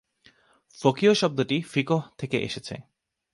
ফকিহ শব্দটি ফিকহ থেকে এসেছে।